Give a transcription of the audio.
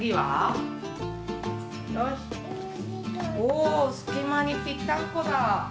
おすきまにぴったんこだ。